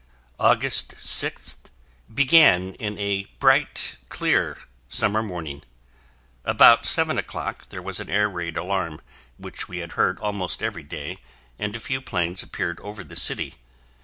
August 6th began in a bright, clear, summer morning. About seven o'clock, there was an air raid alarm which we had heard almost every day and a few planes appeared over the city.